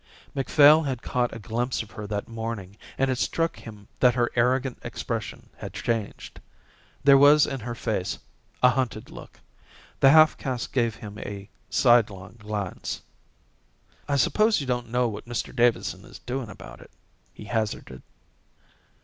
Macphail had caught a glimpse of her that morning and it struck him that her arrogant expression had changed. There was in her face a hunted look. The half caste gave him a sidelong glance. "I suppose you don't know what Mr Davidson is doing about it?" he hazarded.